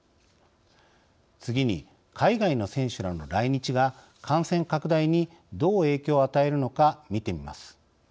次に、海外の選手らの来日が感染拡大にどう影響を与えるのか見てみます。